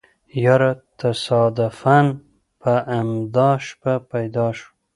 يره تصادفاً په امدا شپه بيا شوم.